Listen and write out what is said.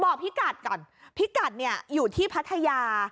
บอกพี่กัดก่อนพี่กัดเนี่ยอยู่ที่พัทยา